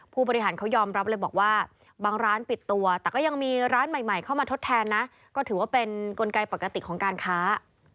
ผู้บริหารเขายอมรับเลยบอกว่าบางร้านปิดตัวแต่ก็ยังมีร้านใหม่เข้ามาทดแทนนะก็ถือว่าเป็นกลไกปกติของการค้า